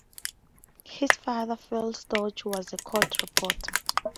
His father, Phil Storch, was a court reporter.